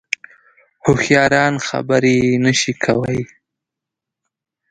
هوښیاران خبرې شنې کوي